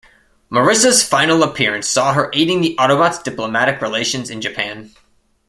Marissa's final appearance saw her aiding the Autobots' diplomatic relations in Japan.